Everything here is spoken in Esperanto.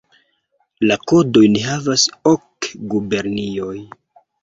La kodojn havas ok gubernioj.